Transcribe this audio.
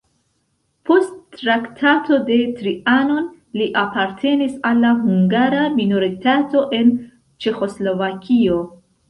Post Traktato de Trianon li apartenis al la hungara minoritato en Ĉeĥoslovakio.